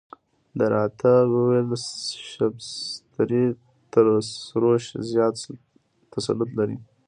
ده راته وویل شبستري تر سروش زیات تسلط لري.